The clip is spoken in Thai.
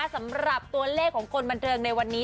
สำหรับตัวเลขของคนบันเทิงในวันนี้